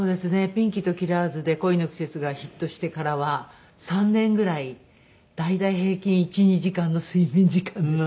ピンキーとキラーズで『恋の季節』がヒットしてからは３年ぐらい大体平均１２時間の睡眠時間でしたね。